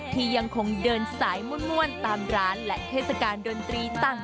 ที่ยังคงเดินสายม่วนตามร้านและเทศกาลดนตรีต่าง